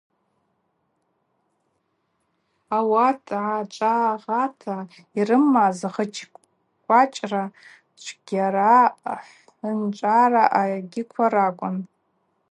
Ауат ъачӏвагӏата йрымаз гъыч-кӏвачра, чвгьахара, хӏвынчӏара агьиква ракӏвын.